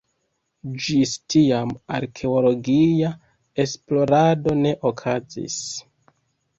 Ĝis tiam arkeologia esplorado ne okazis.